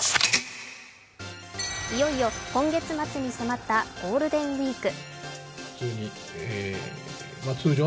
いよいよ今月末に迫ったゴールデンウイーク。